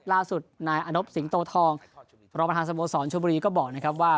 ล่าสุดนายอนบสิงโตทองรองประธานสโมสรชมบุรีก็บอกนะครับว่า